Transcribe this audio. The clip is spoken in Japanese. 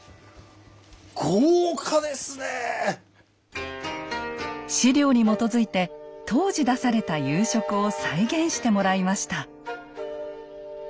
ええ⁉史料に基づいて当時出された夕食を再現してもらいました。